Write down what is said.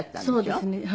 そうですね。